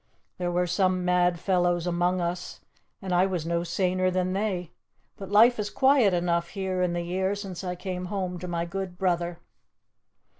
There were some mad fellows among us, and I was no saner than they! But life is quiet enough here in the year since I came home to my good brother."